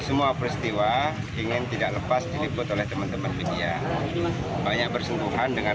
semua peristiwa ingin tidak lepas diliput oleh teman teman media banyak bersentuhan dengan